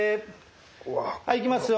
はいいきますよ。